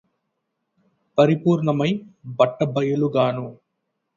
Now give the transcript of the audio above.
పరిపూర్ణమై బట్టబయలుగాను